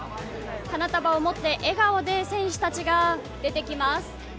花束を持って、笑顔で選手たちが出てきます。